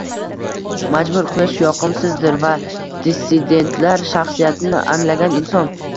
majbur qilish yoqimsizdir va dissidentlar shaxsiyatini anglagan inson